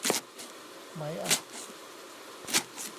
ไหมอะ